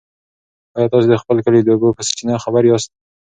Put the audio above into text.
ایا تاسي د خپل کلي د اوبو په چینه خبر یاست؟